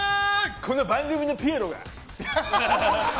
この番組のピエロが！